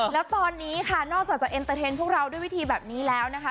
แล้วตอนนี้ค่ะนอกจากจะพวกเราด้วยวิธีแบบนี้แล้วนะคะ